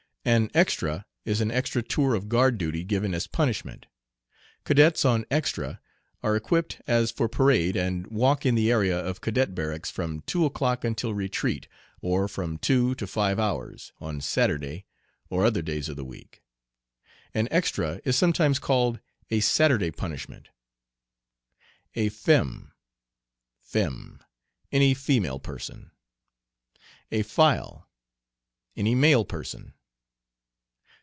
An "extra" is an extra tour of guard duty given as punishment. Cadets on "extra" are equipped as for parade, and walk in the area of Cadet Barracks from two o'clock until retreat, or from two to five hours, on Saturday or other days of the week. An "extra" is sometimes called a "Saturday Punishment." "A fem," "femme." Any female person. "A file." Any male person.